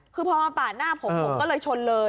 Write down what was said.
คือพอมาปาดหน้าผมผมก็เลยชนเลย